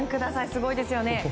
すごいですよね。